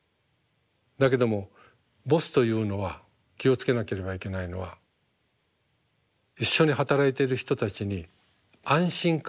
だけどもボスというのは気を付けなければいけないのは一緒に働いてる人たちに安心感を与える人。